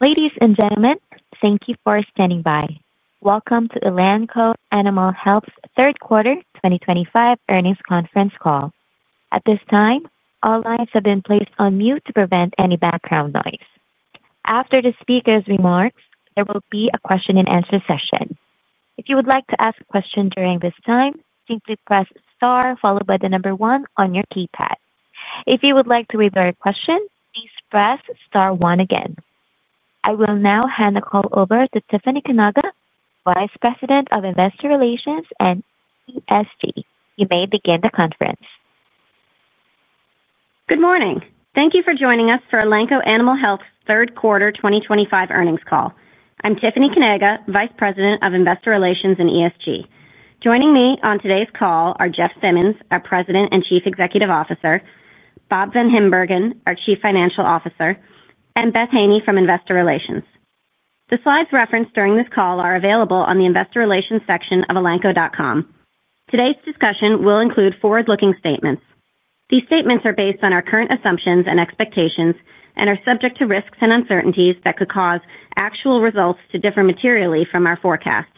Ladies and gentlemen, thank you for standing by. Welcome to Elanco Animal Health's third quarter 2025 earnings conference call. At this time, all lines have been placed on mute to prevent any background noise. After the speaker's remarks, there will be a question-and-answer session. If you would like to ask a question during this time, simply press star followed by the number one on your keypad. If you would like to read your question, please press star one again. I will now hand the call over to Tiffany Kanaga, Vice President of Investor Relations at Elanco Animal Health. You may begin the conference. Good morning. Thank you for joining us for Elanco Animal Health's third quarter 2025 earnings call. I'm Tiffany Kanaga, Vice President of Investor Relations at Elanco. Joining me on today's call are Jeff Simmons, our President and Chief Executive Officer; Bob VanHimbergen, our Chief Financial Officer; and Beth Haney from Investor Relations. The slides referenced during this call are available on the Investor Relations section of elanco.com. Today's discussion will include forward-looking statements. These statements are based on our current assumptions and expectations and are subject to risks and uncertainties that could cause actual results to differ materially from our forecast.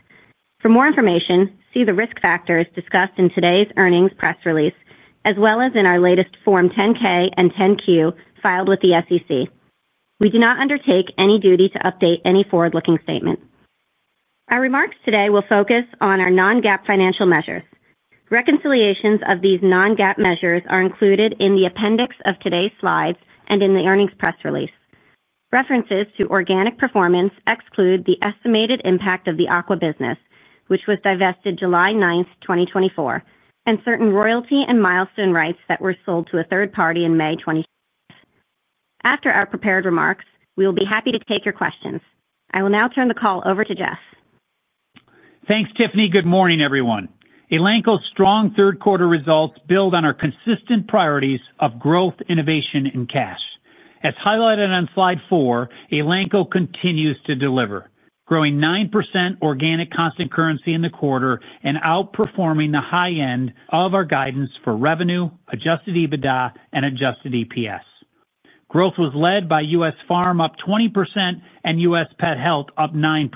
For more information, see the risk factors discussed in today's earnings press release, as well as in our latest Form 10-K and 10-Q filed with the SEC. We do not undertake any duty to update any forward-looking statement. Our remarks today will focus on our non-GAAP financial measures. Reconciliations of these non-GAAP measures are included in the appendix of today's slides and in the earnings press release. References to organic performance exclude the estimated impact of the aqua business, which was divested July 9, 2024, and certain royalty and milestone rights that were sold to a third party in May 2024. After our prepared remarks, we will be happy to take your questions. I will now turn the call over to Jeff. Thanks, Tiffany. Good morning, everyone. Elanco's strong third quarter results build on our consistent priorities of growth, innovation, and cash. As highlighted on slide four, Elanco continues to deliver, growing 9% organic constant currency in the quarter and outperforming the high end of our guidance for revenue, adjusted EBITDA, and adjusted EPS. Growth was led by U.S. Farm up 20% and U.S. Pet Health up 9%.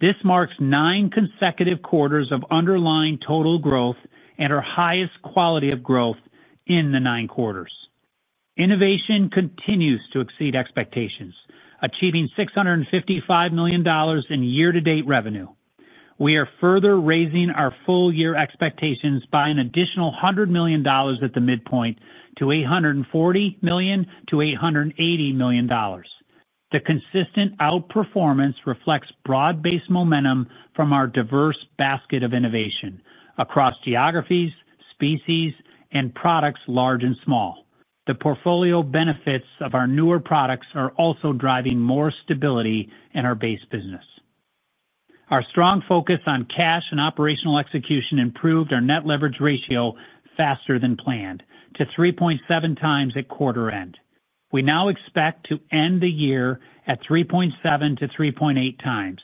This marks nine consecutive quarters of underlying total growth and our highest quality of growth in the nine quarters. Innovation continues to exceed expectations, achieving $655 million in year-to-date revenue. We are further raising our full-year expectations by an additional $100 million at the midpoint to $840 million-$880 million. The consistent outperformance reflects broad-based momentum from our diverse basket of innovation across geographies, species, and products large and small. The portfolio benefits of our newer products are also driving more stability in our base business. Our strong focus on cash and operational execution improved our net leverage ratio faster than planned to 3.7x at quarter end. We now expect to end the year at 3.7x-3.8x.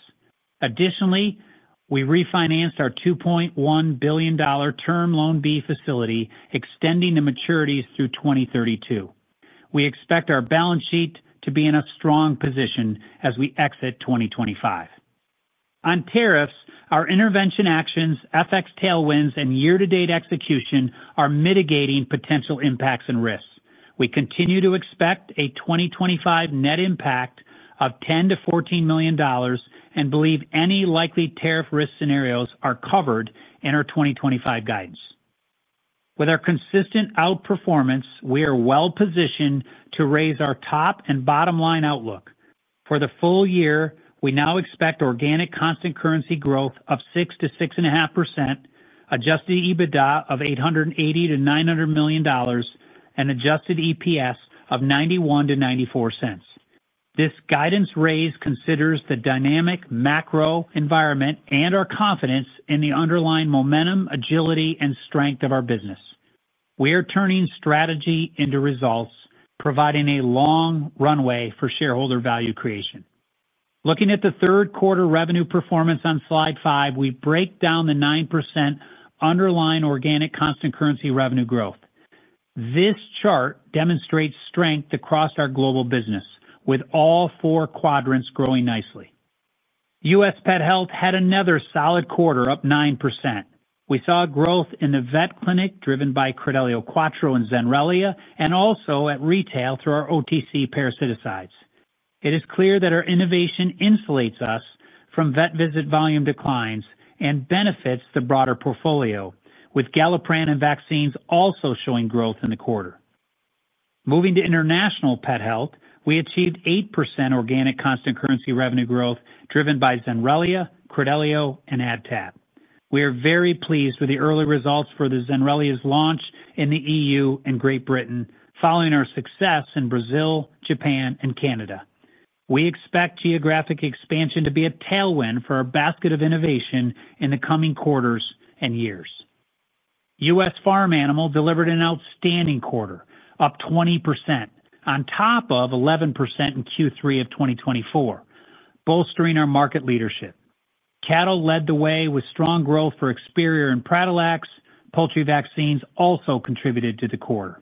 Additionally, we refinanced our $2.1 billion term loan B facility, extending the maturities through 2032. We expect our balance sheet to be in a strong position as we exit 2025. On tariffs, our intervention actions, FX tailwinds, and year-to-date execution are mitigating potential impacts and risks. We continue to expect a 2025 net impact of $10 million-$14 million and believe any likely tariff risk scenarios are covered in our 2025 guidance. With our consistent outperformance, we are well-positioned to raise our top and bottom line outlook. For the full year, we now expect organic constant currency growth of 6%-6.5%, adjusted EBITDA of $880 million-$900 million, and adjusted EPS of $0.91-$0.94. This guidance raise considers the dynamic macro environment and our confidence in the underlying momentum, agility, and strength of our business. We are turning strategy into results, providing a long runway for shareholder value creation. Looking at the third quarter revenue performance on slide five, we break down the 9% underlying organic constant currency revenue growth. This chart demonstrates strength across our global business, with all four quadrants growing nicely. U.S. Pet Health had another solid quarter, up 9%. We saw growth in the vet clinic driven by Credelio Quattro and Zenrelia, and also at retail through our OTC parasiticides. It is clear that our innovation insulates us from vet visit volume declines and benefits the broader portfolio, with Galapran and vaccines also showing growth in the quarter. Moving to international pet health, we achieved 8% organic constant currency revenue growth driven by Zenrelia, Credelio, and AdTab. We are very pleased with the early results for the Zenrelia launch in the European Union and Great Britain, following our success in Brazil, Japan, and Canada. We expect geographic expansion to be a tailwind for our basket of innovation in the coming quarters and years. U.S. Farm Animal delivered an outstanding quarter, up 20%, on top of 11% in Q3 of 2024, bolstering our market leadership. Cattle led the way with strong growth for Experior and Pradolax. Poultry vaccines also contributed to the quarter.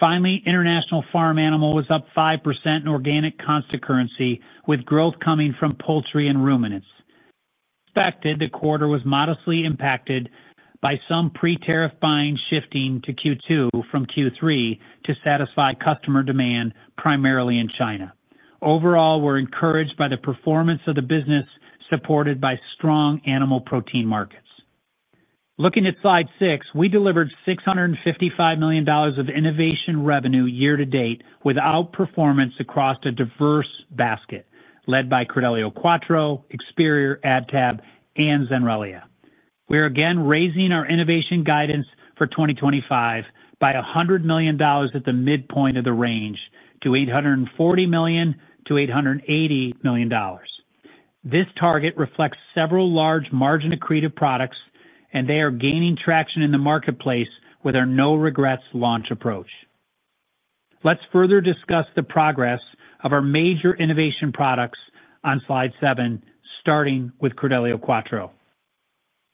Finally, International Farm Animal was up 5% in organic constant currency, with growth coming from poultry and ruminants. Expected, the quarter was modestly impacted by some pre-tariff buying shifting to Q2 from Q3 to satisfy customer demand primarily in China. Overall, we're encouraged by the performance of the business supported by strong animal protein markets. Looking at slide six, we delivered $655 million of innovation revenue year-to-date with outperformance across a diverse basket led by Credelio Quattro, Experior, AdTab, and Zenrelia. We're again raising our innovation guidance for 2025 by $100 million at the midpoint of the range to $840 million-$880 million. This target reflects several large margin accretive products, and they are gaining traction in the marketplace with our no-regrets launch approach. Let's further discuss the progress of our major innovation products on slide seven, starting with Credelio Quattro.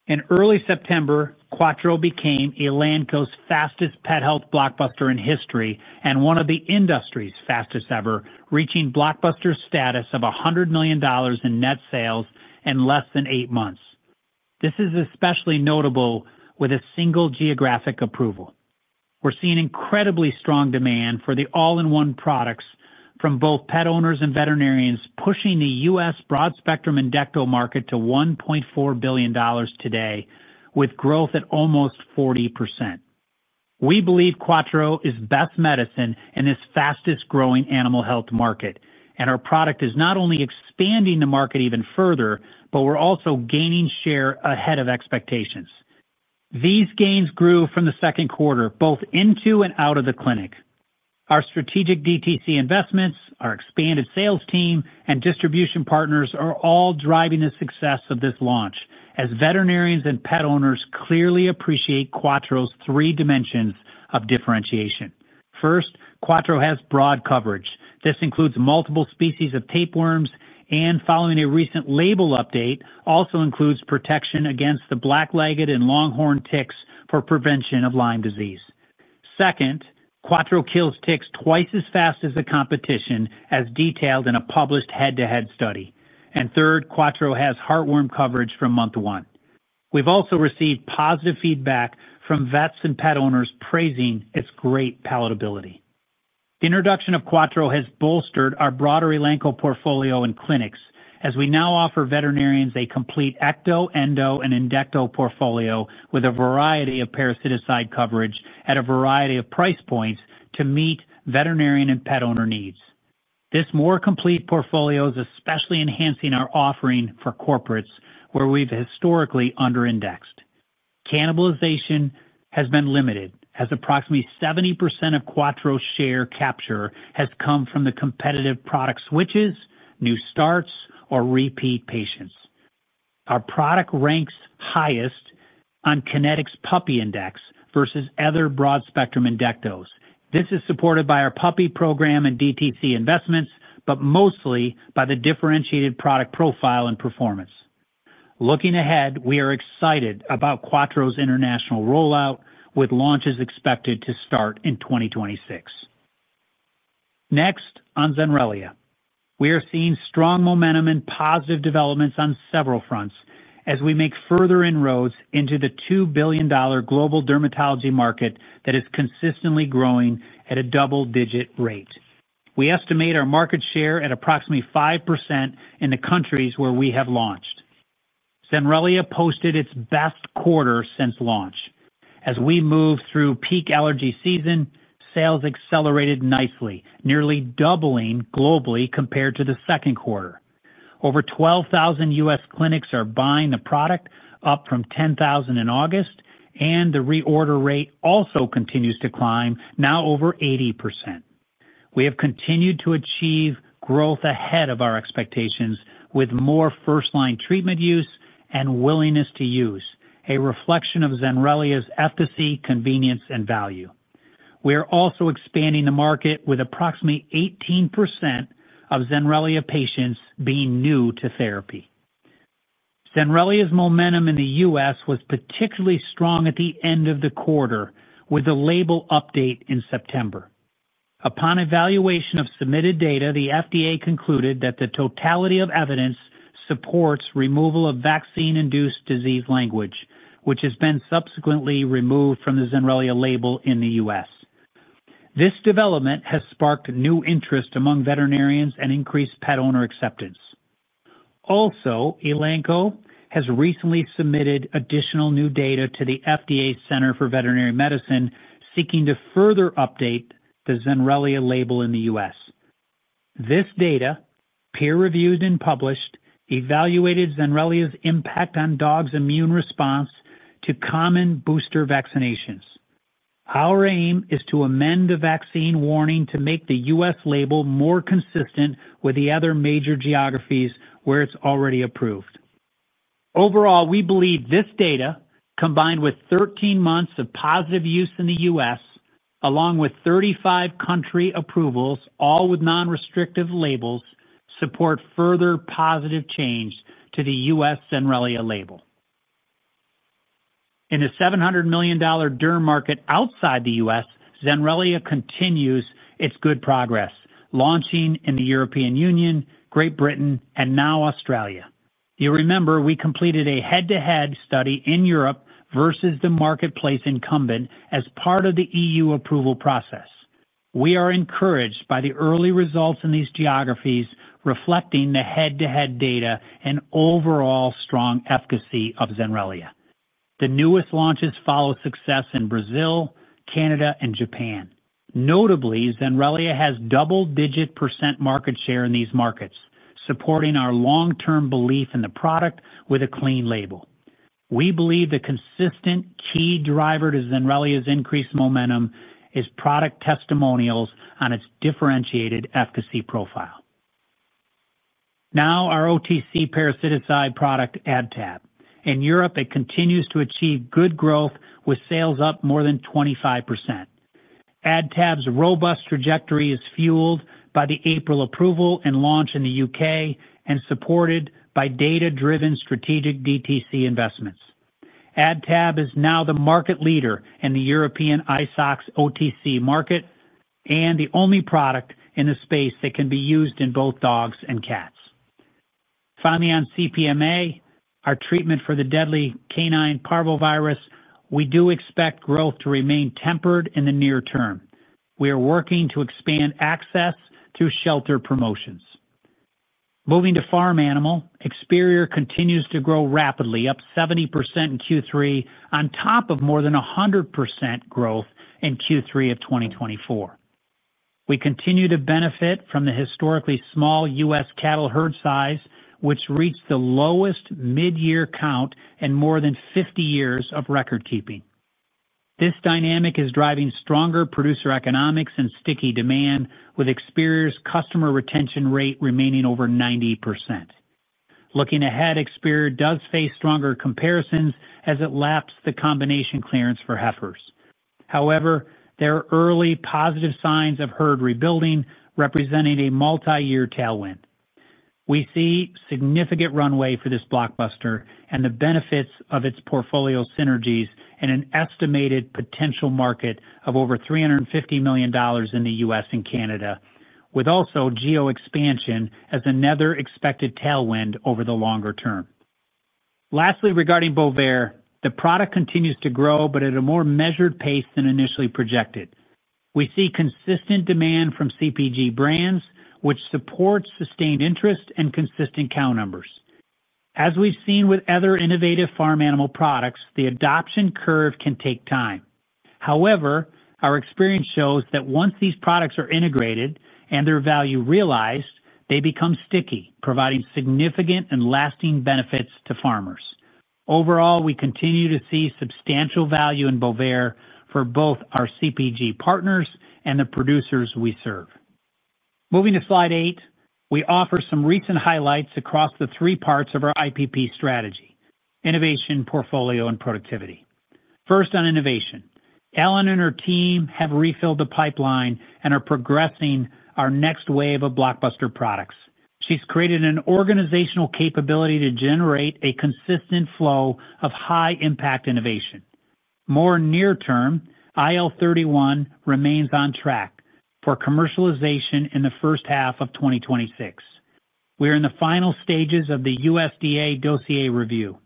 In early September, Quattro became Elanco's fastest pet health blockbuster in history and one of the industry's fastest ever, reaching blockbuster status of $100 million in net sales in less than eight months. This is especially notable with a single geographic approval. We're seeing incredibly strong demand for the all-in-one products from both pet owners and veterinarians, pushing the U.S. broad spectrum endecto market to $1.4 billion today, with growth at almost 40%. We believe Quattro is best medicine in this fastest-growing animal health market, and our product is not only expanding the market even further, but we're also gaining share ahead of expectations. These gains grew from the second quarter, both into and out of the clinic. Our strategic DTC investments, our expanded sales team, and distribution partners are all driving the success of this launch, as veterinarians and pet owners clearly appreciate Quattro's three dimensions of differentiation. First, Quattro has broad coverage. This includes multiple species of tapeworms, and following a recent label update, also includes protection against the blacklegged and longhorn ticks for prevention of Lyme disease. Second, Quattro kills ticks twice as fast as the competition, as detailed in a published head-to-head study. Third, Quattro has heartworm coverage from month one. We've also received positive feedback from vets and pet owners praising its great palatability. The introduction of Quattro has bolstered our broader Elanco portfolio in clinics, as we now offer veterinarians a complete ecto, endo, and indecto portfolio with a variety of parasiticide coverage at a variety of price points to meet veterinarian and pet owner needs. This more complete portfolio is especially enhancing our offering for corporates, where we've historically underindexed. Cannibalization has been limited, as approximately 70% of Quattro's share capture has come from the competitive product switches, new starts, or repeat patients. Our product ranks highest on Kynetec's puppy index versus other broad spectrum endectocides. This is supported by our puppy program and DTC investments, but mostly by the differentiated product profile and performance. Looking ahead, we are excited about Quattro's international rollout, with launches expected to start in 2026. Next, on Zenrelia, we are seeing strong momentum and positive developments on several fronts as we make further inroads into the $2 billion global dermatology market that is consistently growing at a double-digit rate. We estimate our market share at approximately 5% in the countries where we have launched. Zenrelia posted its best quarter since launch. As we moved through peak allergy season, sales accelerated nicely, nearly doubling globally compared to the second quarter. Over 12,000 U.S. Clinics are buying the product, up from 10,000 in August, and the reorder rate also continues to climb, now over 80%. We have continued to achieve growth ahead of our expectations with more first-line treatment use and willingness to use, a reflection of Zenrelia's efficacy, convenience, and value. We are also expanding the market with approximately 18% of Zenrelia patients being new to therapy. Zenrelia's momentum in the U.S. was particularly strong at the end of the quarter with a label update in September. Upon evaluation of submitted data, the FDA concluded that the totality of evidence supports removal of vaccine-induced disease language, which has been subsequently removed from the Zenrelia label in the U.S. This development has sparked new interest among veterinarians and increased pet owner acceptance. Also, Elanco has recently submitted additional new data to the FDA Center for Veterinary Medicine, seeking to further update the Zenrelia label in the U.S. This data, peer-reviewed and published, evaluated Zenrelia's impact on dogs' immune response to common booster vaccinations. Our aim is to amend the vaccine warning to make the U.S. label more consistent with the other major geographies where it's already approved. Overall, we believe this data, combined with 13 months of positive use in the U.S., along with 35 country approvals, all with non-restrictive labels, supports further positive change to the U.S. Zenrelia label. In the $700 million derm market outside the U.S., Zenrelia continues its good progress, launching in the European Union, Great Britain, and now Australia. You remember we completed a head-to-head study in Europe versus the marketplace incumbent as part of the EU approval process. We are encouraged by the early results in these geographies, reflecting the head-to-head data and overall strong efficacy of Zenrelia. The newest launches follow success in Brazil, Canada, and Japan. Notably, Zenrelia has double-digit % market share in these markets, supporting our long-term belief in the product with a clean label. We believe the consistent key driver to Zenrelia's increased momentum is product testimonials on its differentiated efficacy profile. Now, our OTC parasiticide product, AdTab. In Europe, it continues to achieve good growth with sales up more than 25%. AdTab's robust trajectory is fueled by the April approval and launch in the U.K. and supported by data-driven strategic DTC investments. AdTab is now the market leader in the European ISOX OTC market and the only product in the space that can be used in both dogs and cats. Finally, on CPMA, our treatment for the deadly canine parvovirus, we do expect growth to remain tempered in the near term. We are working to expand access through shelter promotions. Moving to farm animal, Experia continues to grow rapidly, up 70% in Q3, on top of more than 100% growth in Q3 of 2024. We continue to benefit from the historically small U.S. cattle herd size, which reached the lowest mid-year count in more than 50 years of record-keeping. This dynamic is driving stronger producer economics and sticky demand, with Experia's customer retention rate remaining over 90%. Looking ahead, Experia does face stronger comparisons as it lapses the combination clearance for heifers. However, there are early positive signs of herd rebuilding, representing a multi-year tailwind. We see significant runway for this blockbuster and the benefits of its portfolio synergies in an estimated potential market of over $350 million in the U.S. and Canada, with also geo-expansion as another expected tailwind over the longer term. Lastly, regarding Bovaer, the product continues to grow, but at a more measured pace than initially projected. We see consistent demand from CPG brands, which supports sustained interest and consistent cow numbers. As we've seen with other innovative farm animal products, the adoption curve can take time. However, our experience shows that once these products are integrated and their value realized, they become sticky, providing significant and lasting benefits to farmers. Overall, we continue to see substantial value in Bovaer for both our CPG partners and the producers we serve. Moving to slide eight, we offer some recent highlights across the three parts of our IPP strategy: innovation, portfolio, and productivity. First, on innovation, Ellen and her team have refilled the pipeline and are progressing our next wave of blockbuster products. She's created an organizational capability to generate a consistent flow of high-impact innovation. More near-term, IL31 remains on track for commercialization in the first half of 2026. We are in the final stages of the USDA dossier review.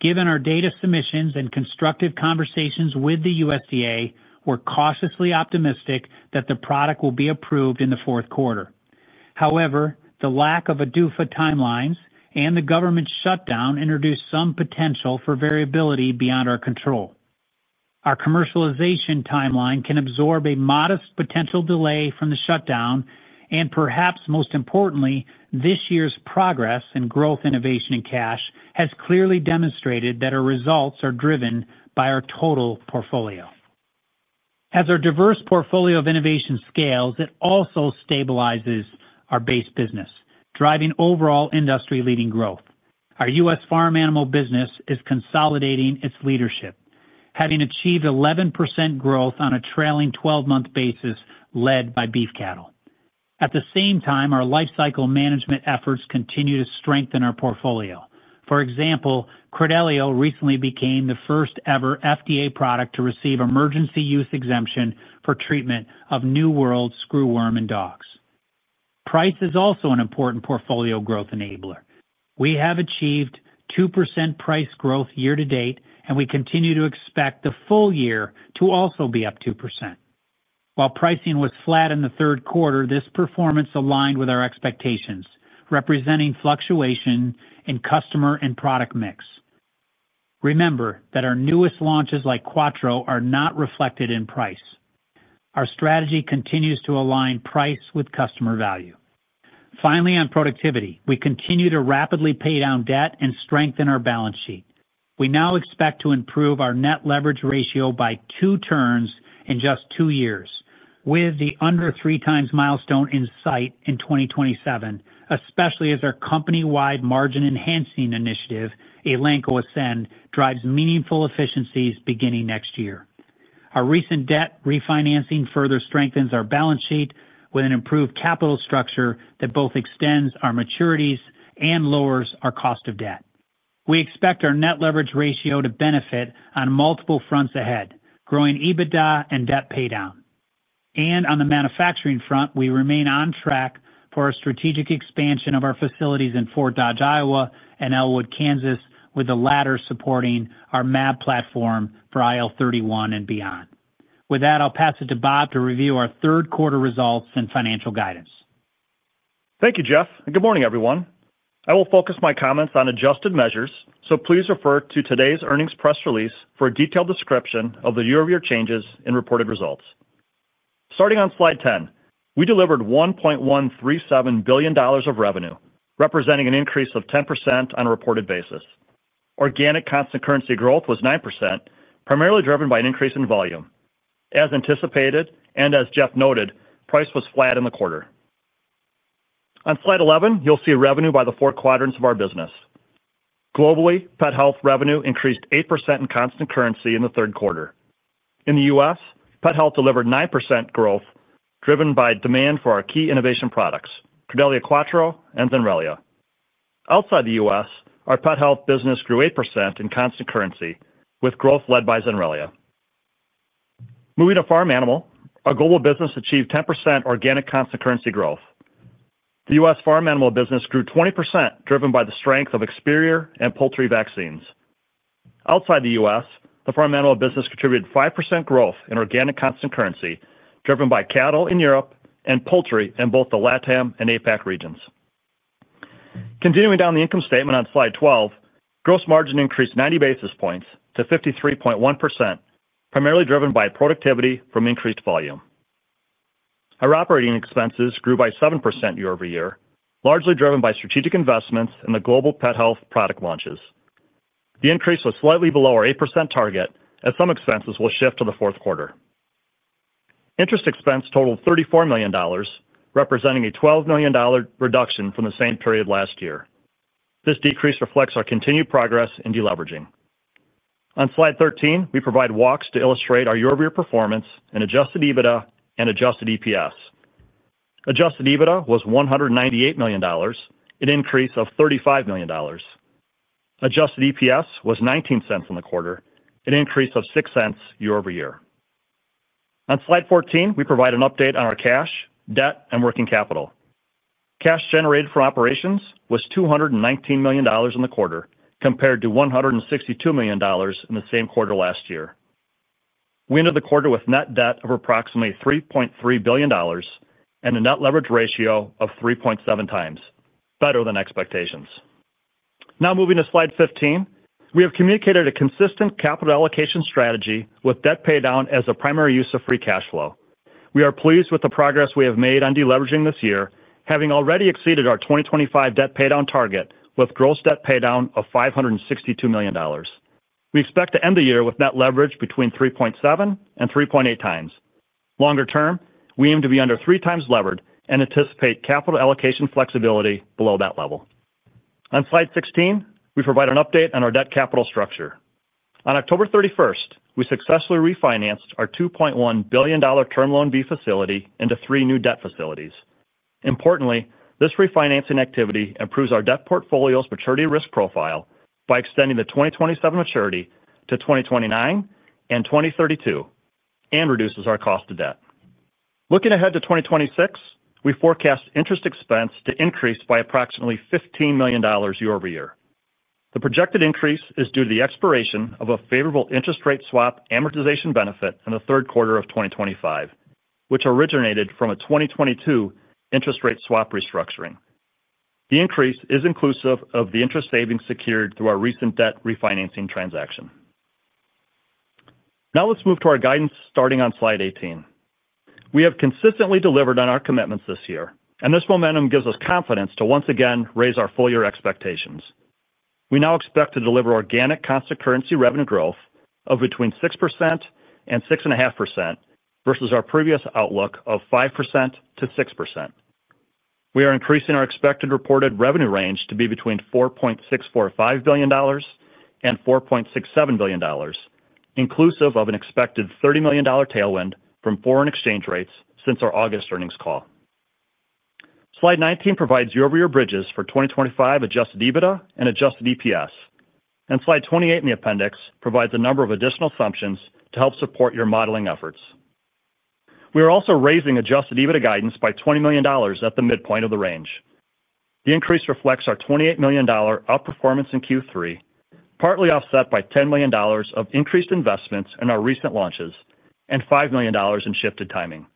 Given our data submissions and constructive conversations with the USDA, we're cautiously optimistic that the product will be approved in the fourth quarter. However, the lack of ADUFA timelines and the government shutdown introduce some potential for variability beyond our control. Our commercialization timeline can absorb a modest potential delay from the shutdown, and perhaps most importantly, this year's progress in growth, innovation, and cash has clearly demonstrated that our results are driven by our total portfolio. As our diverse portfolio of innovation scales, it also stabilizes our base business, driving overall industry-leading growth. Our U.S. farm animal business is consolidating its leadership, having achieved 11% growth on a trailing 12-month basis led by beef cattle. At the same time, our life cycle management efforts continue to strengthen our portfolio. For example, Credelio Quattro recently became the first-ever FDA product to receive emergency use exemption for treatment of New World screw worm in dogs. Price is also an important portfolio growth enabler. We have achieved 2% price growth year to date, and we continue to expect the full year to also be up 2%. While pricing was flat in the third quarter, this performance aligned with our expectations, representing fluctuation in customer and product mix. Remember that our newest launches like Quattro are not reflected in price. Our strategy continues to align price with customer value. Finally, on productivity, we continue to rapidly pay down debt and strengthen our balance sheet. We now expect to improve our net leverage ratio by two turns in just two years, with the under 3x milestone in sight in 2027, especially as our company-wide margin enhancing initiative, Elanco Ascend, drives meaningful efficiencies beginning next year. Our recent debt refinancing further strengthens our balance sheet with an improved capital structure that both extends our maturities and lowers our cost of debt. We expect our net leverage ratio to benefit on multiple fronts ahead, growing EBITDA and debt paydown. On the manufacturing front, we remain on track for our strategic expansion of our facilities in Fort Dodge, Iowa, and Ellwood, Kansas, with the latter supporting our MAB platform for IL31 and beyond. With that, I'll pass it to Bob to review our third-quarter results and financial guidance. Thank you, Jeff. Good morning, everyone. I will focus my comments on adjusted measures, so please refer to today's earnings press release for a detailed description of the year-over-year changes in reported results. Starting on slide 10, we delivered $1.137 billion of revenue, representing an increase of 10% on a reported basis. Organic constant currency growth was 9%, primarily driven by an increase in volume. As anticipated and as Jeff noted, price was flat in the quarter. On slide 11, you'll see revenue by the four quadrants of our business. Globally, pet health revenue increased 8% in constant currency in the third quarter. In the U.S., pet health delivered 9% growth, driven by demand for our key innovation products, Credelio Quattro and Zenrelia. Outside the U.S., our pet health business grew 8% in constant currency, with growth led by Zenrelia. Moving to farm animal, our global business achieved 10% organic constant currency growth. The U.S. farm animal business grew 20%, driven by the strength of Experia and poultry vaccines. Outside the U.S., the farm animal business contributed 5% growth in organic constant currency, driven by cattle in Europe and poultry in both the LATAM and APAC regions. Continuing down the income statement on slide 12, gross margin increased 90 basis points to 53.1%, primarily driven by productivity from increased volume. Our operating expenses grew by 7% year over year, largely driven by strategic investments in the global pet health product launches. The increase was slightly below our 8% target, as some expenses will shift to the fourth quarter. Interest expense totaled $34 million, representing a $12 million reduction from the same period last year. This decrease reflects our continued progress in deleveraging. On slide 13, we provide walks to illustrate our year-over-year performance in adjusted EBITDA and adjusted EPS. Adjusted EBITDA was $198 million, an increase of $35 million. Adjusted EPS was $0.19 in the quarter, an increase of $0.06 year over year. On slide 14, we provide an update on our cash, debt, and working capital. Cash generated from operations was $219 million in the quarter, compared to $162 million in the same quarter last year. We ended the quarter with net debt of approximately $3.3 billion and a net leverage ratio of 3.7x, better than expectations. Now, moving to slide 15, we have communicated a consistent capital allocation strategy with debt paydown as the primary use of free cash flow. We are pleased with the progress we have made on deleveraging this year, having already exceeded our 2025 debt paydown target with gross debt paydown of $562 million. We expect to end the year with net leverage between 3.7x and 3.8x. Longer term, we aim to be under 3x levered and anticipate capital allocation flexibility below that level. On slide 16, we provide an update on our debt capital structure. On October 31, we successfully refinanced our $2.1 billion term loan B facility into three new debt facilities. Importantly, this refinancing activity improves our debt portfolio's maturity risk profile by extending the 2027 maturity to 2029 and 2032 and reduces our cost of debt. Looking ahead to 2026, we forecast interest expense to increase by approximately $15 million year over year. The projected increase is due to the expiration of a favorable interest rate swap amortization benefit in the third quarter of 2025, which originated from a 2022 interest rate swap restructuring. The increase is inclusive of the interest savings secured through our recent debt refinancing transaction. Now, let's move to our guidance starting on slide 18. We have consistently delivered on our commitments this year, and this momentum gives us confidence to once again raise our full-year expectations. We now expect to deliver organic constant currency revenue growth of between 6% and 6.5% versus our previous outlook of 5%-6%. We are increasing our expected reported revenue range to be between $4.645 billion and $4.67 billion, inclusive of an expected $30 million tailwind from foreign exchange rates since our August earnings call. Slide 19 provides year-over-year bridges for 2025 adjusted EBITDA and adjusted EPS. Slide 28 in the appendix provides a number of additional assumptions to help support your modeling efforts. We are also raising adjusted EBITDA guidance by $20 million at the midpoint of the range. The increase reflects our $28 million outperformance in Q3, partly offset by $10 million of increased investments in our recent launches and $5 million in shifted timing.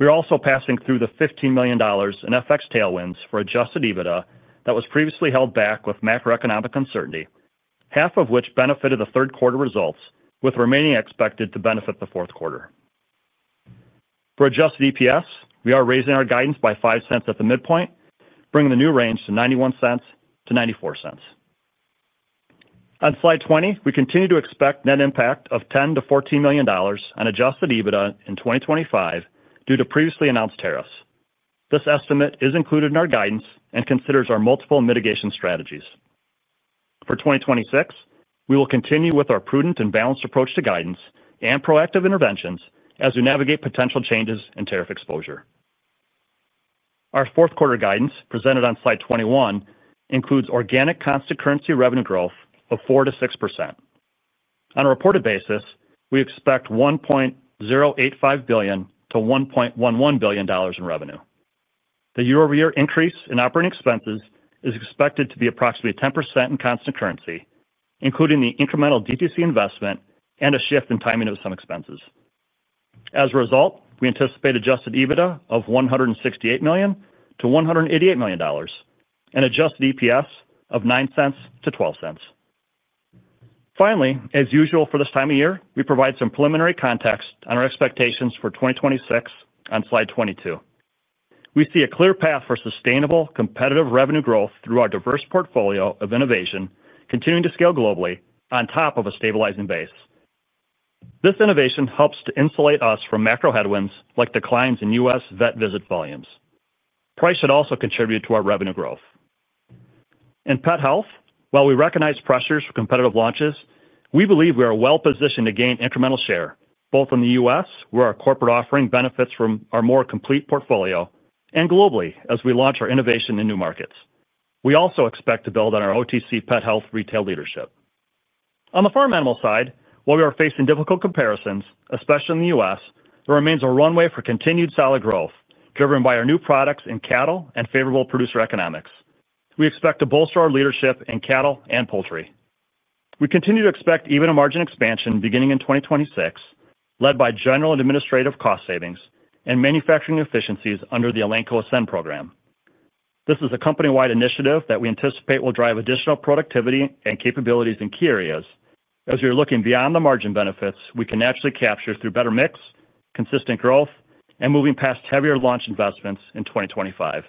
We are also passing through the $15 million in FX tailwinds for adjusted EBITDA that was previously held back with macroeconomic uncertainty, half of which benefited the third-quarter results, with remaining expected to benefit the fourth quarter. For adjusted EPS, we are raising our guidance by 5 cents at the midpoint, bringing the new range to $0.91-$0.94. On slide 20, we continue to expect net impact of $10 million-$14 million on adjusted EBITDA in 2025 due to previously announced tariffs. This estimate is included in our guidance and considers our multiple mitigation strategies. For 2026, we will continue with our prudent and balanced approach to guidance and proactive interventions as we navigate potential changes in tariff exposure. Our fourth-quarter guidance, presented on slide 21, includes organic constant currency revenue growth of 4%-6%. On a reported basis, we expect $1.085 billion-$1.11 billion in revenue. The year-over-year increase in operating expenses is expected to be approximately 10% in constant currency, including the incremental DTC investment and a shift in timing of some expenses. As a result, we anticipate adjusted EBITDA of $168 million-$188 million and adjusted EPS of $0.09-$0.12. Finally, as usual for this time of year, we provide some preliminary context on our expectations for 2026 on slide 22. We see a clear path for sustainable, competitive revenue growth through our diverse portfolio of innovation, continuing to scale globally on top of a stabilizing base. This innovation helps to insulate us from macro headwinds like declines in U.S. vet visit volumes. Price should also contribute to our revenue growth. In pet health, while we recognize pressures from competitive launches, we believe we are well-positioned to gain incremental share, both in the U.S., where our corporate offering benefits from our more complete portfolio, and globally as we launch our innovation in new markets. We also expect to build on our OTC pet health retail leadership. On the farm animal side, while we are facing difficult comparisons, especially in the U.S., there remains a runway for continued solid growth, driven by our new products in cattle and favorable producer economics. We expect to bolster our leadership in cattle and poultry. We continue to expect even a margin expansion beginning in 2026, led by general and administrative cost savings and manufacturing efficiencies under the Elanco Ascend program. This is a company-wide initiative that we anticipate will drive additional productivity and capabilities in key areas. As we are looking beyond the margin benefits we can naturally capture through better mix, consistent growth, and moving past heavier launch investments in 2025.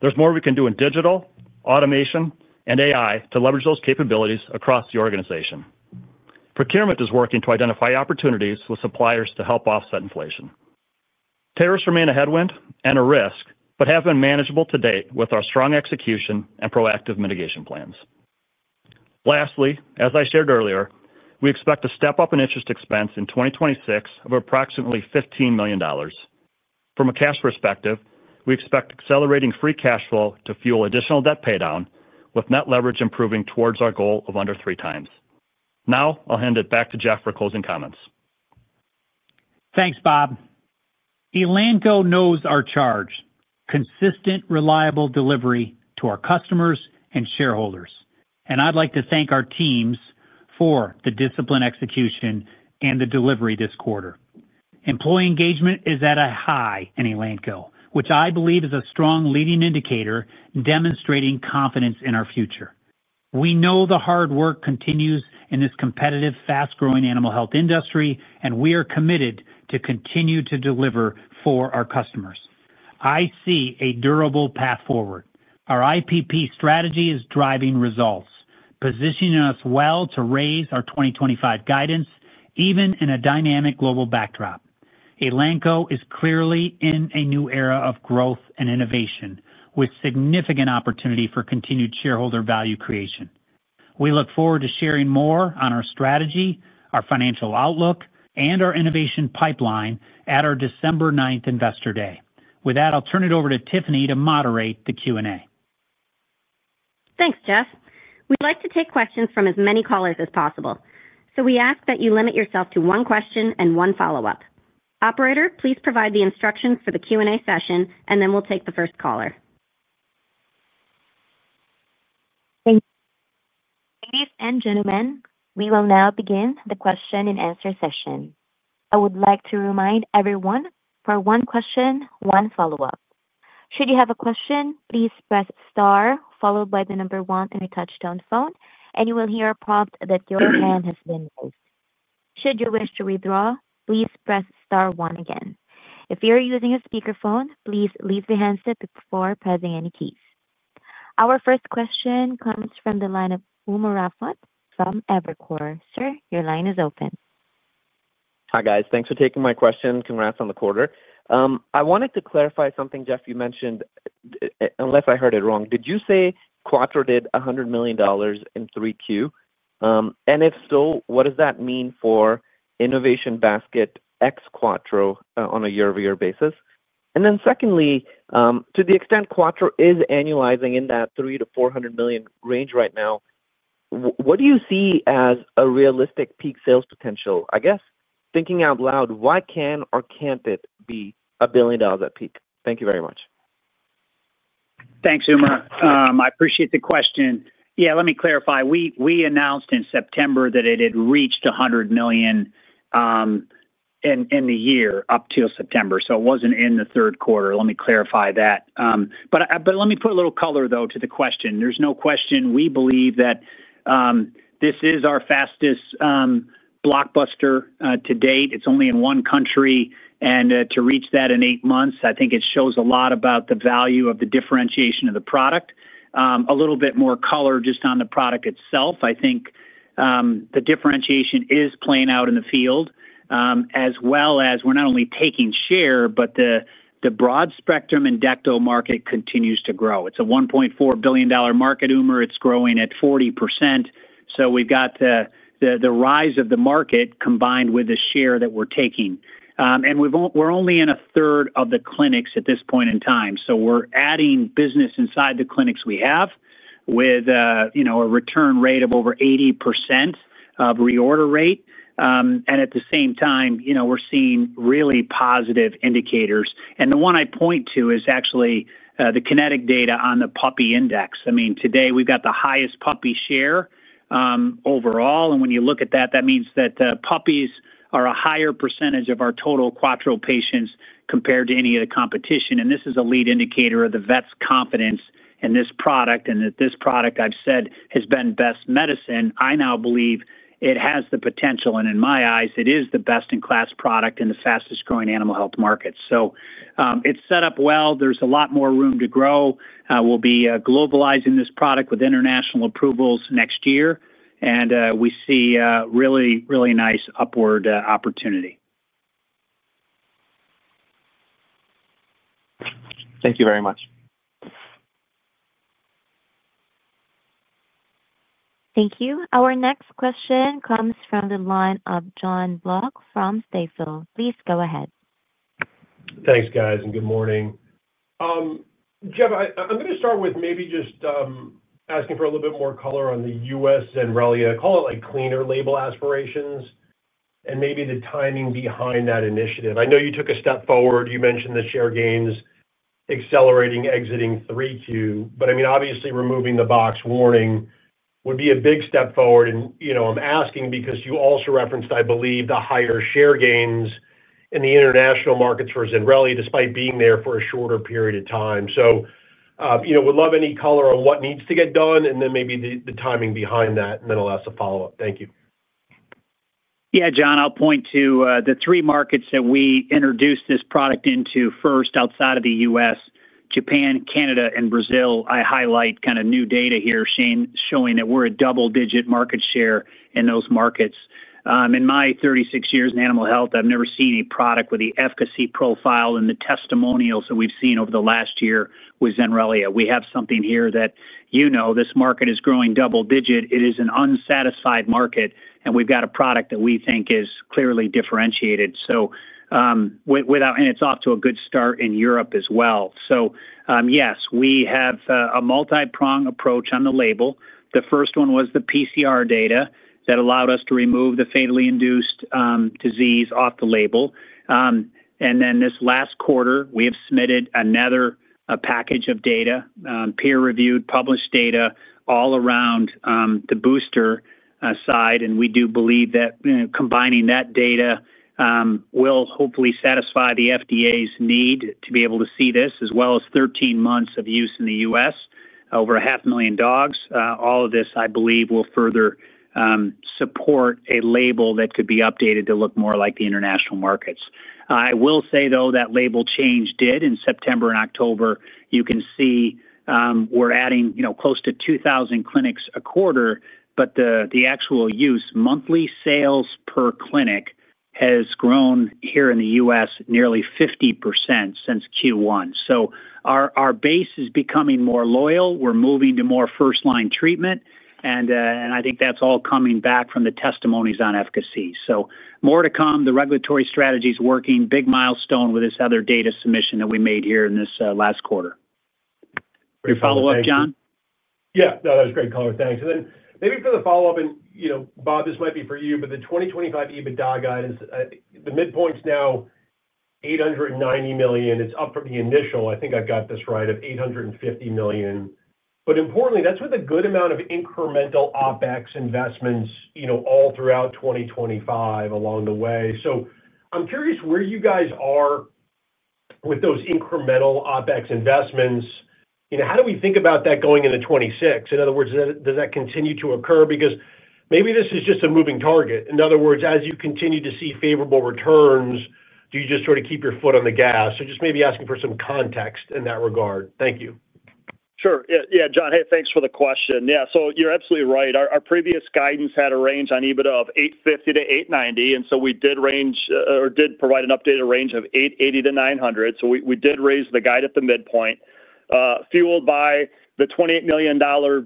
There's more we can do in digital, automation, and AI to leverage those capabilities across the organization. Procurement is working to identify opportunities with suppliers to help offset inflation. Tariffs remain a headwind and a risk, but have been manageable to date with our strong execution and proactive mitigation plans. Lastly, as I shared earlier, we expect to step up in interest expense in 2026 of approximately $15 million. From a cash perspective, we expect accelerating free cash flow to fuel additional debt paydown, with net leverage improving towards our goal of under 3x. Now, I'll hand it back to Jeff for closing comments. Thanks, Bob. Elanco knows our charge: consistent, reliable delivery to our customers and shareholders. I'd like to thank our teams for the disciplined execution and the delivery this quarter. Employee engagement is at a high in Elanco, which I believe is a strong leading indicator demonstrating confidence in our future. We know the hard work continues in this competitive, fast-growing animal health industry, and we are committed to continue to deliver for our customers. I see a durable path forward. Our IPP strategy is driving results, positioning us well to raise our 2025 guidance, even in a dynamic global backdrop. Elanco is clearly in a new era of growth and innovation, with significant opportunity for continued shareholder value creation. We look forward to sharing more on our strategy, our financial outlook, and our innovation pipeline at our December 9 investor day. With that, I'll turn it over to Tiffany to moderate the Q&A. Thanks, Jeff. We'd like to take questions from as many callers as possible, so we ask that you limit yourself to one question and one follow-up. Operator, please provide the instructions for the Q&A session, and then we'll take the first caller. Thank you. Ladies and gentlemen, we will now begin the question-and-answer session. I would like to remind everyone for one question, one follow-up. Should you have a question, please press star followed by the number one on your touch-tone phone, and you will hear a prompt that your hand has been raised. Should you wish to withdraw, please press star one again. If you're using a speakerphone, please lift the handset before pressing any keys. Our first question comes from the line of Umer Raffat from Evercore ISI. Sir, your line is open. Hi, guys. Thanks for taking my question. Congrats on the quarter. I wanted to clarify something, Jeff. You mentioned. Unless I heard it wrong, did you say Quattro did $100 million in 3Q? If so, what does that mean for Innovation Basket x Quattro on a year-over-year basis? Secondly, to the extent Quattro is annualizing in that $300 million-$400 million range right now, what do you see as a realistic peak sales potential? I guess thinking out loud, why can or can't it be $1 billion at peak? Thank you very much. Thanks, Umer. I appreciate the question. Yeah, let me clarify. We announced in September that it had reached $100 million in the year up till September, so it wasn't in the third quarter. Let me clarify that. Let me put a little color, though, to the question. There's no question we believe that this is our fastest blockbuster to date. It's only in one country, and to reach that in eight months, I think it shows a lot about the value of the differentiation of the product. A little bit more color just on the product itself. I think the differentiation is playing out in the field. As well as we're not only taking share, but the broad spectrum indecto market continues to grow. It's a $1.4 billion market, Umer. It's growing at 40%. We've got the rise of the market combined with the share that we're taking. We're only in a third of the clinics at this point in time. We're adding business inside the clinics we have with a return rate of over 80% of reorder rate. At the same time, we're seeing really positive indicators. The one I point to is actually the kinetic data on the puppy index. I mean, today, we've got the highest puppy share overall. When you look at that, that means that puppies are a higher percentage of our total Quattro patients compared to any of the competition. This is a lead indicator of the vet's confidence in this product and that this product, I've said, has been best medicine. I now believe it has the potential, and in my eyes, it is the best-in-class product in the fastest-growing animal health market. It is set up well. There is a lot more room to grow. We'll be globalizing this product with international approvals next year, and we see really, really nice upward opportunity. Thank you very much. Thank you. Our next question comes from the line of Jon Block from Stifel. Please go ahead. Thanks, guys, and good morning. Jeff, I'm going to start with maybe just. Asking for a little bit more color on the U.S. and, really, I call it cleaner label aspirations and maybe the timing behind that initiative. I know you took a step forward. You mentioned the share gains accelerating exiting 3Q, but I mean, obviously, removing the box warning would be a big step forward. I'm asking because you also referenced, I believe, the higher share gains in the international markets for Zenrelia, despite being there for a shorter period of time. Would love any color on what needs to get done and then maybe the timing behind that, and then I'll ask a follow-up. Thank you. Yeah, Jon, I'll point to the three markets that we introduced this product into first outside of the U.S.: Japan, Canada, and Brazil. I highlight kind of new data here showing that we're a double-digit market share in those markets. In my 36 years in animal health, I've never seen a product with the efficacy profile and the testimonials that we've seen over the last year with Zenrelia. We have something here that this market is growing double-digit. It is an unsatisfied market, and we've got a product that we think is clearly differentiated. It's off to a good start in Europe as well. Yes, we have a multi-prong approach on the label. The first one was the PCR data that allowed us to remove the fatally induced disease off the label. This last quarter, we have submitted another package of data, peer-reviewed, published data all around the booster side. We do believe that combining that data will hopefully satisfy the FDA's need to be able to see this, as well as 13 months of use in the U.S. over 500,000 dogs. All of this, I believe, will further support a label that could be updated to look more like the international markets. I will say, though, that label change did in September and October. You can see we're adding close to 2,000 clinics a quarter, but the actual use monthly sales per clinic has grown here in the U.S. nearly 50% since Q1. So our base is becoming more loyal. We're moving to more first-line treatment, and I think that's all coming back from the testimonies on efficacy. More to come. The regulatory strategy is working. Big milestone with this other data submission that we made here in this last quarter. Any follow-up, Jon? Yeah. No, that was great color. Thanks. Maybe for the follow-up, and Bob, this might be for you, but the 2025 EBITDA guidance, the midpoint's now $890 million. It's up from the initial, I think I've got this right, of $850 million. Importantly, that's with a good amount of incremental OpEx investments all throughout 2025 along the way. I'm curious where you guys are with those incremental OpEx investments. How do we think about that going into 2026? In other words, does that continue to occur? Maybe this is just a moving target. In other words, as you continue to see favorable returns, do you just sort of keep your foot on the gas? Just maybe asking for some context in that regard. Thank you. Sure. Yeah, Jon, thanks for the question. Yeah. You're absolutely right. Our previous guidance had a range on EBITDA of $850 million-$890 million. We did provide an updated range of $880 million-$900 million. We did raise the guide at the midpoint. Fueled by the $28 million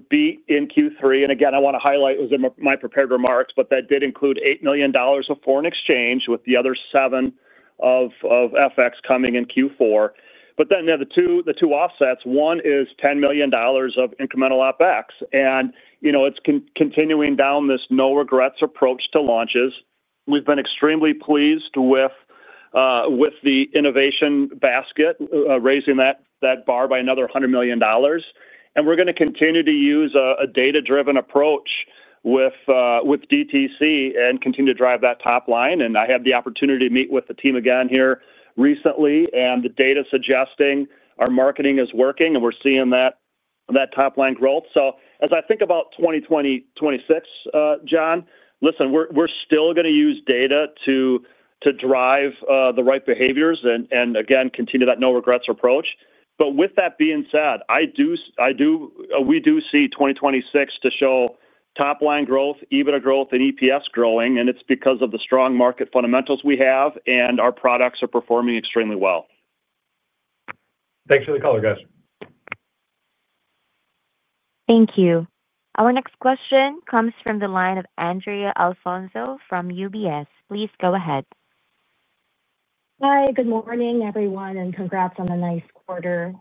beat in Q3. I want to highlight, it was in my prepared remarks, but that did include $8 million of foreign exchange with the other seven of FX coming in Q4. The two offsets, one is $10 million of incremental OpEx, and it is continuing down this no-regrets approach to launches. We've been extremely pleased with the Innovation Basket, raising that bar by another $100 million. We're going to continue to use a data-driven approach with DTC and continue to drive that top line. I had the opportunity to meet with the team again here recently, and the data suggesting our marketing is working, and we're seeing that top line growth. As I think about 2026, Jon, listen, we're still going to use data to drive the right behaviors and, again, continue that no-regrets approach. With that being said, we do see 2026 to show top-line growth, EBITDA growth, and EPS growing, and it's because of the strong market fundamentals we have, and our products are performing extremely well. Thanks for the call, guys. Thank you. Our next question comes from the line of Andrea Alfonso from UBS. Please go ahead. Hi, good morning, everyone, and congrats on a nice quarter.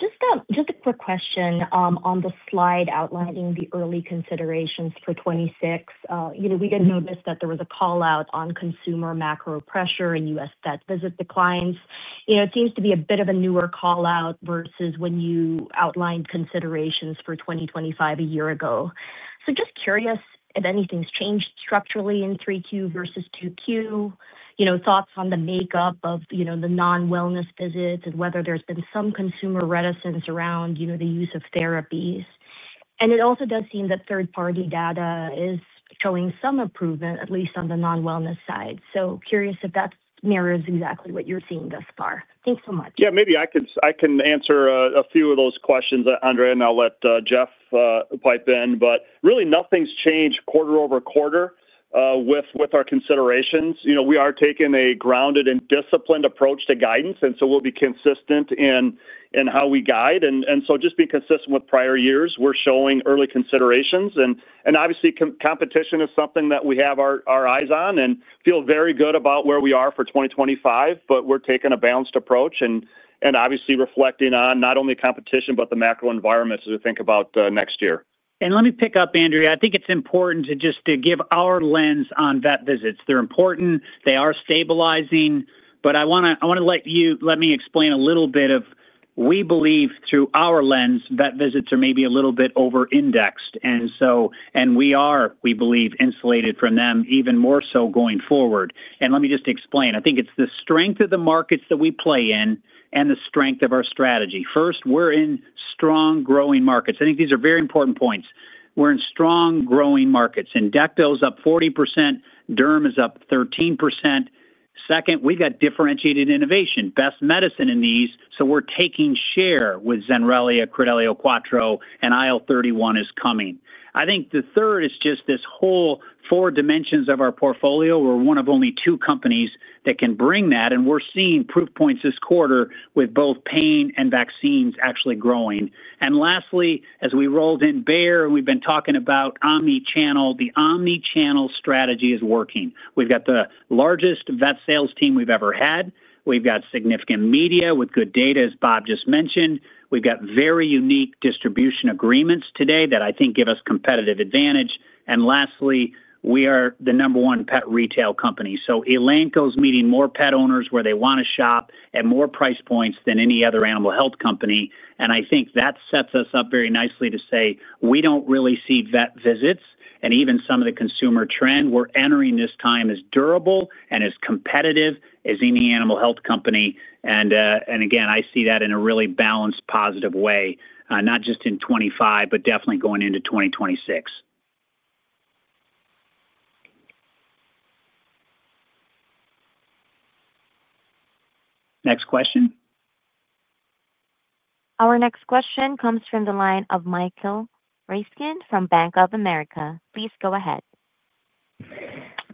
Just a quick question on the slide outlining the early considerations for 2026. We did notice that there was a call-out on consumer macro pressure and U.S. debt visit declines. It seems to be a bit of a newer call-out versus when you outlined considerations for 2025 a year ago. Just curious if anything's changed structurally in 3Q versus 2Q, thoughts on the makeup of the non-wellness visits and whether there's been some consumer reticence around the use of therapies. It also does seem that third-party data is showing some improvement, at least on the non-wellness side. Curious if that narrows exactly what you're seeing thus far. Thanks so much. Yeah, maybe I can answer a few of those questions, Andrea, and I'll let Jeff pipe in. Really, nothing's changed quarter over quarter with our considerations. We are taking a grounded and disciplined approach to guidance, and we'll be consistent in how we guide. Just being consistent with prior years, we're showing early considerations. Obviously, competition is something that we have our eyes on and feel very good about where we are for 2025, but we're taking a balanced approach and obviously reflecting on not only competition but the macro environment as we think about next year. Let me pick up, Andrea. I think it's important just to give our lens on vet visits. They're important. They are stabilizing. I want to let me explain a little bit of. We believe, through our lens, vet visits are maybe a little bit over-indexed. We are, we believe, insulated from them even more so going forward. Let me just explain. I think it's the strength of the markets that we play in and the strength of our strategy. First, we're in strong growing markets. I think these are very important points. We're in strong growing markets. Indecto's up 40%. Derm is up 13%. Second, we've got differentiated innovation, best medicine in these. We're taking share with Zenrelia, Credelio Quattro, and IL31 is coming. I think the third is just this whole four dimensions of our portfolio. We're one of only two companies that can bring that, and we're seeing proof points this quarter with both pain and vaccines actually growing. Lastly, as we rolled in Bayer and we've been talking about omnichannel, the omnichannel strategy is working. We've got the largest vet sales team we've ever had. We've got significant media with good data, as Bob just mentioned. We've got very unique distribution agreements today that I think give us competitive advantage. Lastly, we are the number one pet retail company. Elanco's meeting more pet owners where they want to shop at more price points than any other animal health company. I think that sets us up very nicely to say we don't really see vet visits and even some of the consumer trend. We're entering this time as durable and as competitive as any animal health company. I see that in a really balanced, positive way, not just in 2025, but definitely going into 2026. Next question. Our next question comes from the line of Michael Ryskin from Bank of America. Please go ahead.